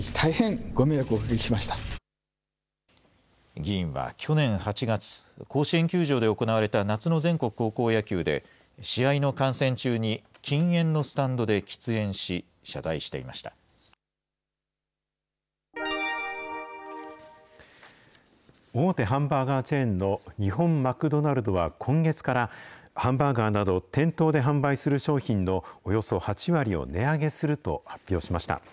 議員は去年８月、甲子園球場で行われた夏の全国高校野球で、試合の観戦中に、禁煙のスタンドで喫煙し、大手ハンバーガーチェーンの日本マクドナルドは、今月からハンバーガーなど、店頭で販売する商品のおよそ８割を値上げすると発表しました。